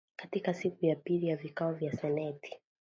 Katika siku ya pili ya vikao vya seneti